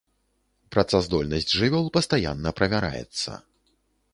Працаздольнасць жывёл пастаянна правяраецца.